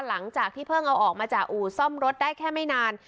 หลังจากที่เพิ่งเอาออกมาจากอู่ซ่อมรถได้แค่ไม่นาน